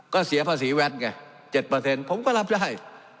ก็เสียภาษีแวดไง๗ผมก็รับได้